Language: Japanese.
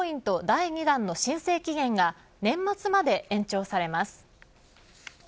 第２弾の申請期限が年末まで延長されます。